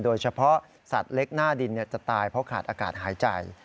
โดยเฉพาะสัตว์เล็กหน้าดินจะตายเพราะขาดอากาศหายใจ